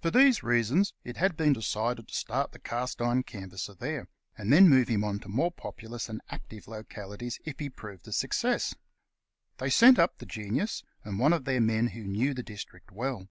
For these reasons it had been decided to start the Cast iron Canvasser there, and then move him on to more populous and active localities if he proved a success. They sent up the Genius, and one of their men who knew the district well.